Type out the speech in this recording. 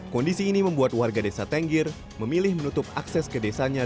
kondisi ini membuat warga desa tenggir memilih menutup akses ke desanya